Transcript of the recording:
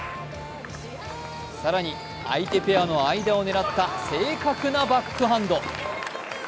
更に、相手ペアの間を狙った正確なバックハンド。